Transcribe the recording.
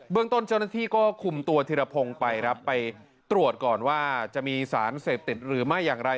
ต้นเจ้าหน้าที่ก็คุมตัวธิรพงศ์ไปครับไปตรวจก่อนว่าจะมีสารเสพติดหรือไม่อย่างไร